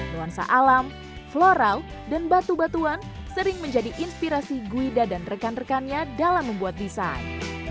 nuansa alam floral dan batu batuan sering menjadi inspirasi guida dan rekan rekannya dalam membuat desain